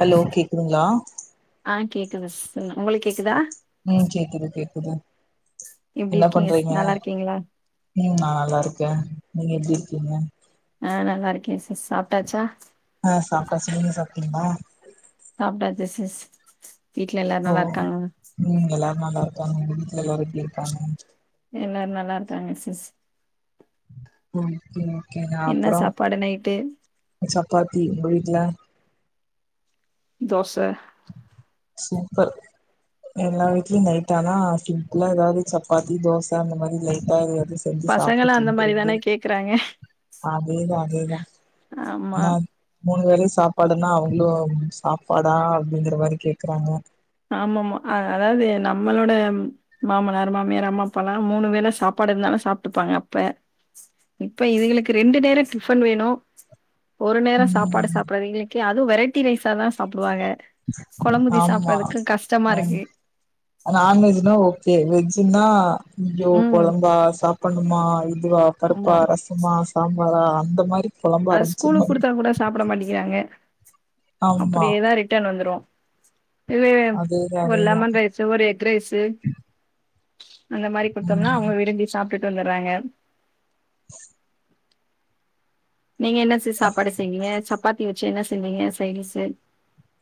Hello கேக்குதுங்ளா ஆ கேக்குது சிஸ் உங்குளுக்கு கேக்குதா ம் கேக்குது கேக்குது எப்டி என்ன இருக்கீங்க சிஸ்? பண்றீங்க நல்லா இருக்கீங்களா நம் நா நல்லாருக்கே நீங்க எப்டி இருக்கீங்க ஆ நல்லாருக்கே சிஸ் சாப்ட்டாச்சா ஆ சாப்ட்டாச்சு நீங்க சாப்ட்டீங்ளா சாப்ட்டாச்சு சிஸ் வீட்ல எல்லாரு ஓ நல்லா இருக்காங்ளா ம் எல்லாரு நல்லா இருக்காங்க உங்க வீட்ல எல்லாரு எப்டி இருக்காங்க எல்லாரு நல்லாருக்காங்க சிஸ் ஓக்கே ஓக்கேங்க என்ன அப்பறோ சாப்பாடு நைட்டு ங்க சப்பாத்தி உங்க வீட்ல தோச சூப்பர் எல்லா வீட்லயு நைட் ஆனா சிம்பிளா ஏதாவது சப்பாத்தி தோச அந்த மாரி லைட்டா ஏதாவது செஞ்சு சாப்ட்டு தூங்றது க்கறாங்க அதே தா அதே தா ஆமா நா மூனுவேலையு சாப்பாடுன்னா அவுங்களு சாப்பாடா அப்டிங்கிற மாரி கேக்றாங்க ஆமம்மா அ அதாவது நம்மளோட மாமனார் மாமியார் அம்மா அப்பல்லா மூனு வேளசாப்பாடு இருந்தாலு சாப்டுப்பாங்க அப்ப இப்ப இதுகளுக்கு ரெண்டு நேர டிஃபன் வேணு ஒரு நேரோ சாப்பாடு ம் சாப்பறது இதுகக்கே அது வெரைட்டி ரைஸா தா சாப்டுவாங்க கொழம்புதி சாப் மா ம் நான்வெஜ்னா ஓக்கே வெஜ்ஜூன்னா அய்யோ ம் கொழம்பா சாப்பான்னுமா இதுவா ஆமா பருப்பா ரசமா சாம்பாரா அந்த மாரி கொழம்பா அது இருந்ச்சுன் ஸ்கூலுக்கு வை குடுத்தா கூட சாப்ட மாட்டிக்கிறாங்க ஆமா அப்படியேதா ரிட்டன் வந்துரு இவே அதேதா ஒரு அதேதா லெமன் ரைஸ் ச்சு ஒரு எக் ரைசு அந்த மாரி குட்த்தம்னா ம் அவுங்க விரும்பி சாப்ட்டுட்டு வந்துறாங்க நீங்க என்ன சிஸ் சாப்பாடு செய்வீங்க சப்பாத்தி வச்சு என்ன செய்வீங்க சைடிஸ்சு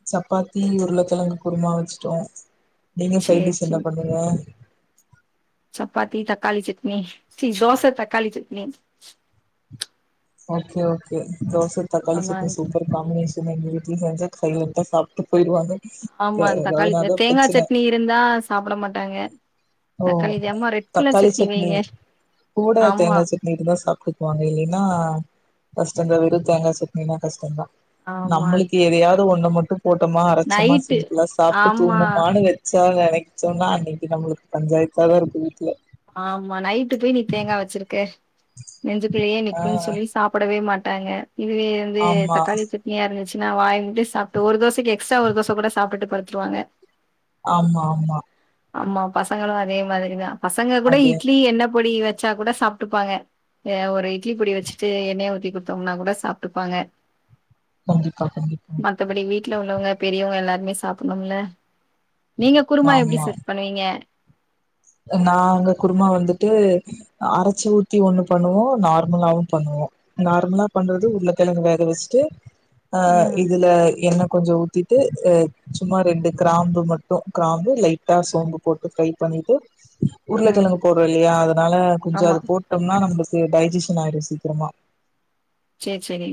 சப்பாத்தி உருளைக்கெழங்கு குருமா வச்ட்டோ நீங்க சைட் சேரி டிஷ் என்ன சேரி பண்ணீங்க சப்பாத்தி தக்காளி சட்னி சி தோச தக்காளி சட்னி ஓக்கே ஓக்கே தோச தக்காளி சட்னி ஆமாங் சூப்பர் காமினேஷன் எங்க வீட்ல செஞ்சா சைலண்ட்டா சாப்ட்டு போயிருவாங்க எ ஆமா தக்காளி அதனாலதா தேங்கா பிரச்சன சட்னி இருந்தா சாப்ட மாட்டாங்க ஓ தக்காளி இது அம்மா ரெட் கலர் தக்காளி சட்னி வைங்க கூட ஆமா தேங்கா ச இருந்தா சாப்ட்க்குவாங்க இல்லன்னா கஷ்டதா வெறு தேங்கா சட்னினா கஷ்டந்தா ஆமா நம்மளுக்கு எதையாவது ஒண்ணு மட்டும் போட்டோமா அரைச்சமா நைட்டு சிம்பிளா சாப்ட்டு ஆமா தூங்குமானு ச்சா நெனைக்ச்சோன்னா அன்னைக்கு நம்மளுக்கு பஞ்சாயத்தாதா இருக்கு வீட்ல ஆமா நைட்டு போய் நீ தேங்கா வச்சிருக்க நெஞ்சுக்குள்ளேயே ஆ நிக்குன் சொல்லி சாப்படவே மாட்டாங்க இதுவே வந்து ஆமா தக்காளி சட் னியா இருந்துச்சுனா வாய் மூட்டு சாப்ட்டு ஒரு தோசைக்கு எஸ்ட்ரா ஒரு தோச கூட சாப்டுட்டு படுத்துருவாங்க ஆமா ஆமா ஆமா பசங்களு அதே மாதிரிதா பசங்க கூட அது இட்லி எண்ண பொடி வ ச்சா கூட சாப்ட்டுப்பாங்க அ ஒரு இட்லி பொடிய வச்சிட்டு எண்ணைய ஊத்தி குடுத்தோம்னா கூட சாப்ட்டுப்பாங்க கண்டிப்பா கண்டிப்பா மத்தபடி வீட்ல உள்ளவங்க பெரியவங்க எல்லார்மே சாப்ட்ணும்ல நீங்க குருமா எப்டி ஆமா சிஸ் பண்ணுவீங்க நாங்க குருமா வந்துட்டு அரச்சு ஊத்தி ஒன்னு பண்ணுவோ நார்மலாவு பண்ணுவோ நார்மலா பண்றது உருளக்கெழங்கு வேக வச்சுட்டு அ ம் இதுல எண்ணெ கொஞ்சொ ஊத் திட்டு அ சும்மா ரெண்டு கிராம்பு மட்டு கிராம்பு லைட்டா சோம்பு போட்டு ஃப்ரை பண்ணிட்டு ம் உருளக்கெழங்கு போட்றோ இல்லையா அதனால கொஞ்ச ஆமா அது போட் டோம்னா நம்பள்க்கு டைஜிஷன் ஆயிறு சீக்கிரமா சேரி சேரி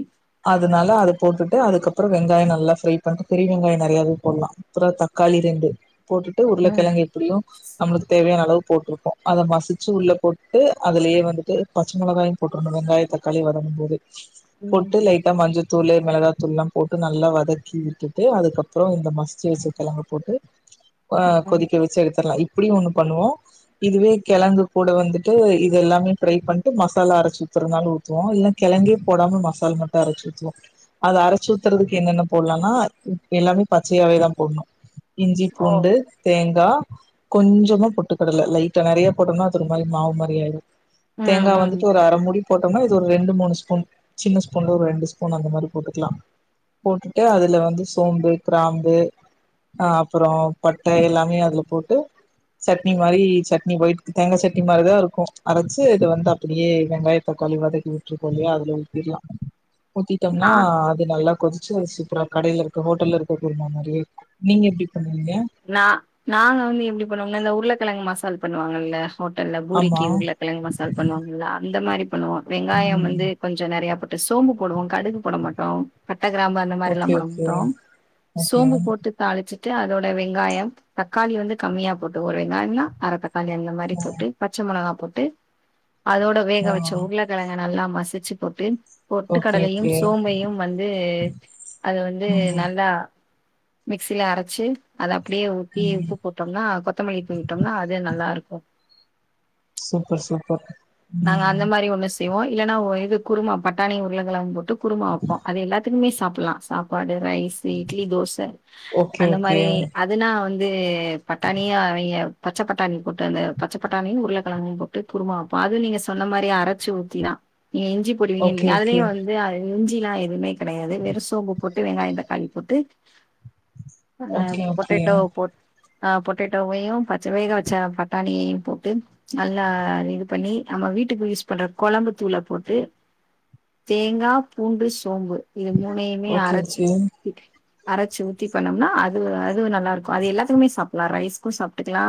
அதனால அத போட்டுட்டு அதுக்கப்றோ வெங்காயோ நல்லா ஃப்ரை பண்ணி பெரிய வெங்காயோ நறையாவே போட்லா அப்றோ தக்காளி ரெண்டு போட்டுட்டு ம் உருளக்கெழங்கு எப்பிடியு நம்மளுக் தேவயான அளவு போட்ருக்கோ அத மசிச்சி உள்ள போட்டு அதுலயே வந்துட்டு பச்ச மொளகாயு போட்றனு வெங்காய தக்காளி வதங்கும் போது [inaudible] போட்டு லை ட்டா மஞ்சத்தூளு மெளகாத்தூள்லா போட்டு நல்லா வதக்கி விட்டுட்டு அதுக்கப்புறோ இந்த மசிச்சி வச்ச கெழங்க போட்டு [inaudible] ஆ ம் கொதிக்க வச்சு எடுத்தர்லா இப்டியு ஒண்ணு பண்ணுவோ இதுவே கெழங்கு கூட வந்துட்டு இது எல்லாமே ஃப்ரை பண்ட்டு மசாலா அரச்சு ஊத்தறந்தாலூ ஊத் துவோ இல்ல கெழங்கே போடாம மசால் மட்டு அரச்சி ஊத்துவோ அத அரச்சி ஊத்தறதுக்கு என்னென்ன போட்லானா எல்லாமே பச்சையாவேதா போட்ணு இஞ்சி ஓ பூண்டு தேங்கா கொஞ்சமா பொட்டுக்கடல லைட்டா நறையா போட்டோம்னா அது ஒரு மாரி மாவு மாரி ஆய்ரு ம் தேங்கா ம் வந்துட்டு ஒரு அர மூடி போட்டோம்னா இது ஒரு ரெண்டு மூணு ஸ்பூன் சின்ன ஸ்பூன்ல ஒரு ரெண்டு ஸ்பூன் அந்த மாரி போட்டுக்லா போட்டுட்டு அதுல வந்து சோம்பு கிராம்பு ஆ அப்பறோ பட்ட எல்லாமே அதுல போட்டு சட்னி மாரி சட்னி ஒயிட்கு தேங்கா சட்னி மாரிதா இருக்கு அரச்சு இத வந்து அப்படியே வெங்காய தக்காளி வதக்கி ட்ருக்கோலையா அதுல ஊத்திற்லா ஊத்திட்டோம்னா ஆ அது இது நல்லா கொதிச்சு [unintelligible] சூப்பரா கடைல இருக்க ஹோட்டல்ல இருக்க குருமா மாரியே இருக்கு நீங்க எப்டி பண்ணுவீங்க நா நாங்க வந்து எப்டி பண்ணுவோம்னா இந்த உருளக்கெழங்கு மசால் பண்ணுவாங்கல்ல ஹோட்டல்ல ஆமா பூரிக்கி உருளக் கெழங்கு மசால் பண்ணுவாங்கள்ள அந்த மாரி பண்ணுவோ வெங்காயம் வந்து ம் கொஞ்ச நறையா போட்டு சோம்பு போடுவோ கடுகு போட மாட்டோ பட்ட கிராம்பு அந்த மாரில்லா ஓகே ஓகே போடமாட்டோ ஓகே சோம்பு ஆ போட்டு தாளிச்சிட்டு அதோட வெங்காயம் தக்காளி வந்து கம்மியா போட்டு ஒரு வெங்காயம்னா அர தக்காளி அந்த மாரி போட்டு பச்ச மொளகா போட்டு அதோட வேக ஆ வச்ச உருளக்கெழங்க நல்லா மசிச்சி போட்டு பொட்டு ஓகே கடலையும் ஓகே சோம்பையும் வந்து அது வந்து ம் நல்லா மிக்சில அரச்சி அத அப்டியே ஊத்தி ம் உப்பு போட்டோம்னா கொத்தமல்லி போய்ட்டோம்னா அது நல்லா இருக்கு சூப்பர் சூப்பர் நாங்க ம் அந்த மாரி ஒண்ணு செய்வோ இல்லன்னா ஒ இது குருமா பட்டாணி உருளக்கெழங்கு போட்டு குருமா வப்போ அது எல்லாத்துக்மே சாப்பட்லா சாப்பாடு ரைஸு இட்லி தோச ஓகே அந்த ஓகே மாரி அதுனா வந்து பட்டாணியா அவிங்க பச்ச பட்டாணி போட்டு அந்த பச்ச பட்டாணியு உருளக் கெழங்கையு போட்டு குருமா பாகு நீங்க சொன்ன மாரியே அரச்சி ஊத்தி தா நீங்க இஞ்சி ஓகே போடுவீங்கன்னீங்க ஓகே அதுலயு வந் து அது இஞ்சிலா எதுமே கெடையாது வெறு சோம்பு போட்டு வெங்காய தக்காளி போட்டு அதுல ஓகே ஓகே பொட்டேட்டோ போட் ஆ பொட்டேட்டோவையு பச்ச வேக வச்ச பட்டாணியையு போட்டு நல்லா இது பண்ணி நம்ம வீட்டுக்கு யூஸ் பண்ற கொழம்பு தூள போட்டு தேங்கா பூண்டு சோம்பு இது மூணையுமே ஓகே அரச்சி ஓகே ஊத்திட்டு அரச்சு ஊத்தி பண்ணம்னா அது அதுவு நல்லா இருக்கு அது எல்லாத்துக்குமே சாப்பலா ரைஸ்க்கு சாப்ட்டுக்கலா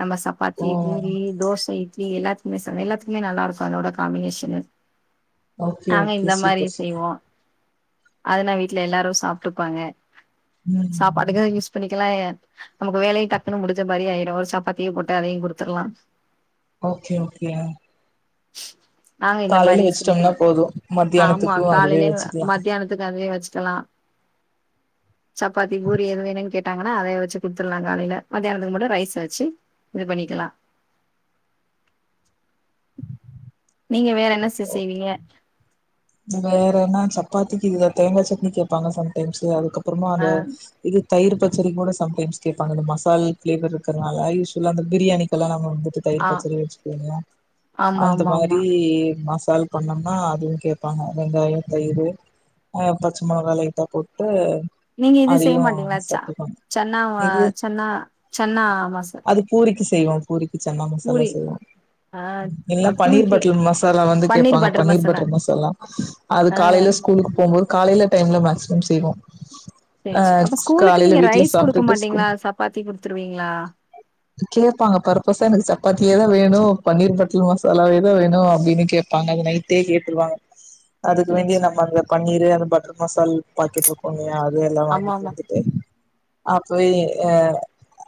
நம்ம சாப் ஓ சப்பாத்தி பூரி தோச இட்லி எல்லாத்துக்குமே சா எல்லாத்துக்குமே நல்லா இருக்கு அதோட காம்பினேஷனு ஓகே நாங்க ஓகே இந்த மாரி சூப்பர் சூப்பர் செய்வோ அதுனா வீட்ல எல்லாரு சாப்ட்டுபாங்க ம் சாப்பாட்டுக்கா யூஸ் பண்ணிக்கலா நமக்கு வேலையு டக்குன்னு முடிஞ்ச மாரி ஆயிரு ஒரு சாப்பாத்திய போட்டு அதையு குடுத்துர்லா ஓகே ஓகே நாங்க இந்த மாரி காலையில செய்வ வச்சுட்டோம்னா போது ஆமா மத்தியானத்துக்கு அதுவே காலையிலே வச்சுக்கலா மத்தியானத் த்துக்கு அதுவே வச்சுக்கலா சப்பாத்தி பூரி எது வேணு கேட்டாங்கனா அதய வச்சி குட்த்துட்லா காலையில மத்யானத்துக்கு மட்டு ரைஸ் வச்சி இது பண்ணிக்கலா நீங்க வேற என்ன சிஸ் செய்வீங்க வேற என்ன சப்பாத்திக்கு இத தேங்கா சட்னி கேப்பாங்க சம் டைம்ஸு அதுக்கப்றமா ஆ அந்த இது தயிர் பச்சடி கூட சம் டைம்ஸ் கேப்பாங்க இந்த மசால் பிளேவர் இருக்கர்னால யூல்வலா அந்த பிரியாணி கெல்லா நாம வந்துட்டு தயிர் ஆ பச்சடி வச்சுகுங்க ஆமா அந்த ஆமா ஆமா மாரி மசால் பண்ணம்னா அதுவு கே பாங்க வெங்காயோ தயிரு அ பச்ச மொளகா லைட்டா போட்டு நீங்க இது செய்ய அதையு மாட்டீங்ளா வச்சா சாப்ட்டுப்பாங்க சன்னா ஆ இது சன்னா சன்னா மசால் அது பூரிக்கு செய்வோ பூரிக்கு சன்னா மசாலா செய்வோ ஆ எல்லா பன்னீர் பூரிக்கு பட்டல் மசாலா வந்து கேப்பாங்க பன்னீர் பட்டர் மசாலா அது ஆ காலையில ஸ்கூலுக்கு போம்போது காலைல டைம்ல மேக்சிமம் செய்வோ அ பேய்ர்ச்சு அப்ப ஸ்கூலுக்கு காலைல நீங்க வீட்ல ரைஸ் குடுக்க சாப்ட்டுட்டு மாட்டீங்ளா ஸ்கூல் சப்பாத்தி குடுத்துருவீங்ளா கேப்பாங்க பர்பஸா எனக்கு சப்பாத்தியே தா வேணு பன்னீர் பட்டல் மசாலா வேணு வேணு அப்டினு கேப் பாங்க அது நைட்டே கேட்ருவாங்க அதுக்கு சேரி வேண்டிய சே நம்ம அந்த பன்னீரு அந்த பட்டர் மசால் பாக்கிட்ருக்கு இல்லையா அது எல்லா வாங்கி ஆமா ஆமா குடுத்துட்டு அப்பவே அ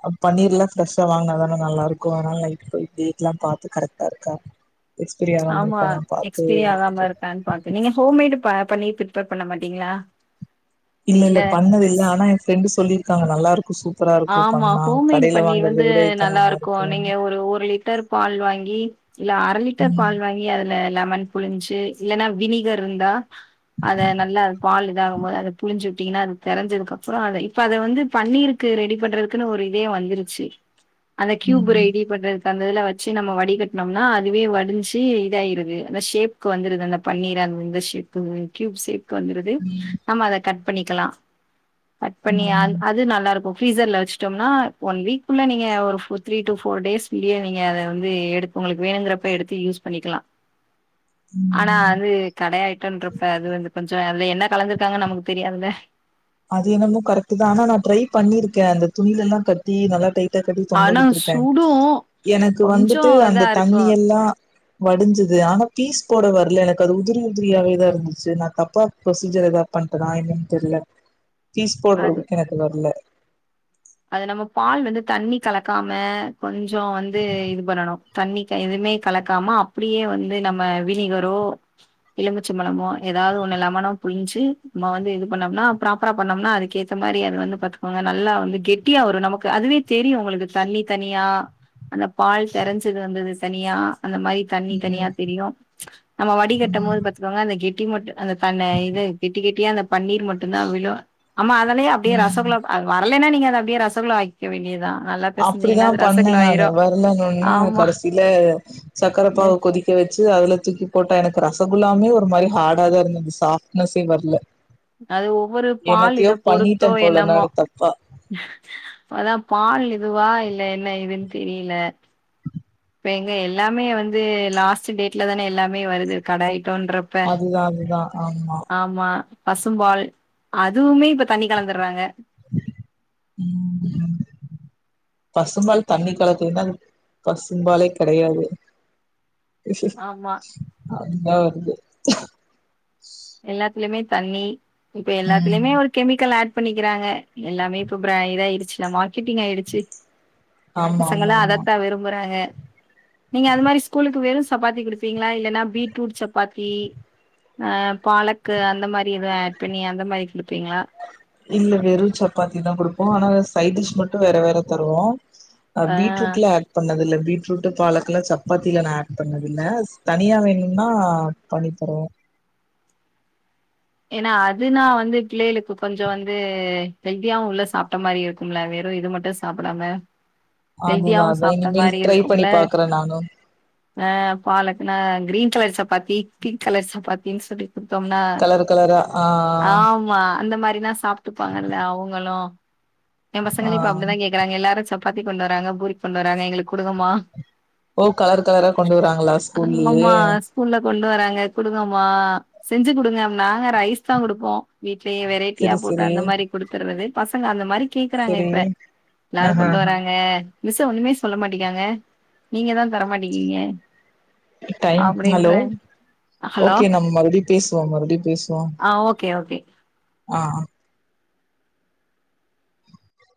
அ பன்னீர்லா ஃப்ரெஷா வாங்கனா தான நல்லா இருக்கு அதனால நைட் போய் டேட்லா பாத்து கரெக்டா இருக்கா எக்ஸ்பீரி ஆகாம ஆமா இருக்காலா பாத்து எக்ஸ்பீரி ஆகாம வாங்கிட்டு இருக்கான் பாத் நீங்க ஹோம்மேடு ப பன்னீர் பிரிப்பர் பண்ண மாட்டீங்ளா இல்ல இல்ல பண்ணது இல்ல ஆனா எ ஃப்ரெண்டு சொல்லிருக்காங்க நல்லா இருக்கு சூ ஆமா ஹோம்மேடு பன்னீர் வந்து இப்ப நல்லா இருக்கு நீங்க இருக்குன்னு ஒரு ஒரு லிட்டர் பால் வாங்கி இல்ல அர லிட்டர் ம் பால் வாங்கி அதுல லெமன் புழிஞ்சி இல்லனா வினிகர்ருந்தா அத நல்லா பால் இதாகு போது அத புழிஞ்சி விட்டீங்கனா அது தெரஞ்சதுகப்றோ அத இப்ப அத வந்து பன்னீரு க்கு ரெடி பண்றதுக்குனு ஒரு இதே வந்துருச்சி அந்த கியூப் ம் ரெடி பண்ற அந்த இதுல வச்சு நம்ம வடிகட்டனம்னா அதுவே வடிஞ்சி இதாயிருது அந்த ஷேப்க்கு வந்துருது அந்த பன்னீறா அது வந்து ஷேப்பு க்யூப் ஷேப் கு வந்துருது ம் நம்ம அத கட் பண்ணிக்கலா கட் பண்ணி அது ம் அது நல்லா இருக்கு ஃபிரீசர்ல வச்ட்டம்னா ஒன் வீக்குள்ள நீங்க ஒரு த்ரீ டூ ஃபோர் டேஸ்லயே நீங்க அத வந்து எடுத் உங்களுக்கு வேணுங்கிறப்ப எடுத்து யூஸ் பண்ணிக்கலா ஆனா ம் அது கட ஐய்ட்டோன்ருப்ப அது வந்து கொஞ்சோ அதுல என்ன கலந்துருக்காங்கன் நமக்கு தெரியாதுல அது என்னமோ கரெக்ட் தா ஆனா நா ட்ரை பண்ணிருக்கே அந்த துணியில எல்லா கட்டி நல்லா டை கயிர் கட்டி தொங்க ஆனா விட்டுருக்கே சுடும். எனக்கு வந்துட்டு கொஞ்சம் இதா அந்த இருக்கும். தண்ணியெல்லா வடிஞ்சது ஆனா பீஸ் போட வரல எனக்கு அது உதிரி உதிரியாவே தா இருந்துச்சி நா தப்பா ப்ரொசீஜர் ஏதா பண்ட்டேனா என்னன்னு தெர்ல பீஸ் அது போடுறதுக்கு எனக்கு வரல அது நம்ம பால் வந்து தண்ணி கலக்காம கொஞ்சோ வந்து இது பண்ணணு தண்ணி க எதுமே கலக்காம அப்டியே வந்து நம்ம வினிகரோ எலுமிச்சம்பழமோ ஏதாவது ஒன்று லெமானோ புழிஞ்சு நம்ம வந்து இது பண்ணோம்னா ப்ராப்பரா பண்ணோம்னா அதுக்கேத் த மாரி அது வந்து பாத்துக்கோங்க நல்லா வந்து கெட்டியா வரும் நமக்கு அதுவே தெரியும் உங்களுக்கு தண்ணி தனியா அந்த பால் தெரஞ்சது வந்தது தனியா அந்த மாரி தண்ணி தனியா ம் தெரியும் நம்ம வடிகட்டும் போது ம் பாத்துக்கோங்க அந்த கெட்டி மட்டும் அந்த தன்ன இது கட்டி கெட்டியா அந்த பன்னீர் மட்டுதா விழும் ஆமா அதலயே அப்படியே ம் ரசகுல ப வரலைன்னா நீங்க அத அப்படியே ரசகுல்லா ஆக் அப்டிதா பண்ணங்க ஆனா ஆயிரு வரலன்ன ஒன்ன ஆமா கடசில சக்கர பாகு கொதி து வச்சு அதுல தூக்கி போட்டா எனக்கு ரசகுல்லாமே ஒரு மாரி ஹாடா தா இருந்தது சாப்ட்னஸே வர்ல அது ஒவ்வொரு பால் இத பண்ணிட்டே பொறுத்தோ போல என்னமோ நானு தப்பா அதா பால் இதுவா இல்ல என்ன ஏதுன்னு தெரியல இப்ப எங்க எல்லாமே வந்து லாஸ்ட் டேட்ல தானே எல்லாமே வருது கட ஐட்டோன்றப் அதுதா அதுதா ஆமா ஆமா பசும்பால் அதுவுமே இப்ப தண்ணி கலந்துறாங்க ம் ம் பசும்பால் தண்ணி கலக்கலனா அது பசும்பாலே கிடையாது ஆமா அதுதா வருது எல்லாத்துலயுமே தண்ணி இப்ப ம் எல்லாத்துலயுமே ஒரு கெமிக்கல் ஆட் பண்ணிக்கிறாங்க எல்லாமே இப்ப பிர இது ஆயிடுச்சுல்ல மார் கிட்டிங் ஆயிடுச்சு ஆமா ஆமா பசங்கல்லா ஆமா அதத்தா விரும்புறாங்க நீங்க அது மாரி ஸ்கூலுக்கு வெறும் சப்பாத்தி குடுப்பீங்களா இல்லன்னா பீட்ரூட் சப்பாத்தி ஆ பாலக்கு அந்த மாரி எதும் ஆட் பண்ணி அந்த மாரி கொடுப்பீங்களா இல்ல வெறும் சப்பாத்தி தா கொடுப்போ ஆனா சைட் டிஷ் மட்டும் வேற வேற தருவோம் அ ஆ பீட்ரூட்ல பண்ணதில்ல பீட்ரூட்டு் பாலக்கெலா சப்பாத்தியில நா ஆட் பண்ணதில்ல தனியா வேணுனா பண்ணி தருவே ஏன்னா அதுனா வந்து பிள்ளைகளுக்கு கொஞ்ச வந்து ஹெல்தியா உள்ள சாப்ட்ட மாரியு இருக்கும்ல வெறு இது மட்டும் சாப்பிடாம அதுதா ஹெல்தியாவும் அதா சாப்பிட்ட இனிமேல் மாரி ட்ரை பண்ணி இருக்கும்ல பாக்குறே நானு ஆ பாலக்குனா green colour chapati pink colour சப்பாத்தின்னு சொல்லி கொடுத்தோம்னா கலர் கலரா ஆ ஆமா அந்த மாதிரிதா சாப்பிட்டுபாங்கல்ல அவங்களும் எ ஆ பசங்களும் இப்ப அப்படிதா கேக் க்கறாங்க எல்லாரு சப்பாத்தி கொண்டு வராங்க பூரி கொண்டு வராங்க எங்களுக்கு கொடுங்கம்மா ஓ கலர் கலரா கொண்டு வறாங்களா ஸ்கூல்லயே ஆமா ஸ்கூல்ல கொண்டு வராங்க குடுங்கம்மா செஞ்சு கொடுங்க நாங்க ரைஸ் தா கொடுப்போ வீட்லயே வெரைட்டியா செரி போட்டு செரி அந்த மாரி குடுத்துறது பசங்க அந்த மாரி கேக்குறாங்க செரி இப்ப எல்லாரு ஆஹ கொண்டு வராங்க மிஸ் ஒண்ணுமே சொல்ல மாட்டிக்காங்க நீங்க தா தரமாட்டேக்கீங்க டைம் ஹலோ ஹலோ ஓகே நம்ம மறுபடியும் பேசுவோ மறுபடியும் பேசுவோம் ஆ ஓகே ஓகே ஆ